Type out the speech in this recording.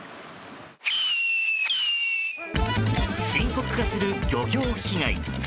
深刻化する漁業被害。